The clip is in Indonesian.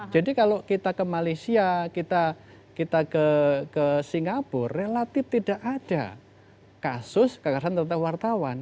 jadi kalau kita ke malaysia kita ke singapura relatif tidak ada kasus kekerasan tetap wartawan